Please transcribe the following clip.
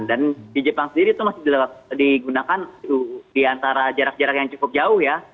dan di jepang sendiri itu masih digunakan diantara jarak jarak yang cukup jauh ya